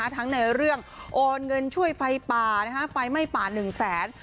ทั้งในเรื่องโอนเงินช่วยไฟป่าไฟไหม้ป่า๑แสน